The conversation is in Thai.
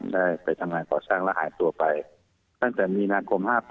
ได้ไปทำงานก่อสร้างแล้วหายตัวไปตั้งแต่มีนาคม๕๘